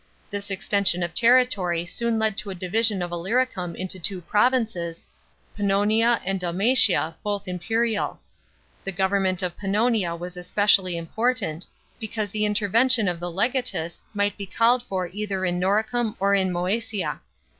This extension of territory soon led to a division of Illyricum into two provinces, Pan nonia and Dalmatia, both imperial. The government of Pannonia was specially important, because the intervention of the legatus might be called for either in Noricum or in Moasia.